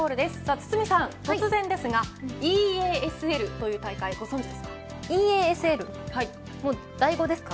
堤さん、突然ですがＥＡＳＬという大会ご存じですか。